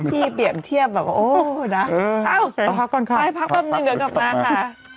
พี่เปรียบเทียบแบบโอ้นะเอาพักก่อนค่ะไปพักประมาณหนึ่งเดี๋ยวกลับมาค่ะ